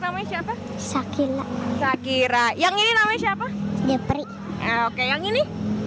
namanya siapa saking sakira yang ini namanya siapa nyepri oke yang ini